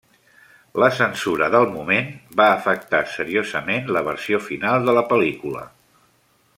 La censura del moment va afectar seriosament la versió final de la pel·lícula.